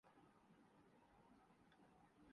یہ دونوں کسی ایک وجود میں مشکل سے متشکل ہوتے ہیں۔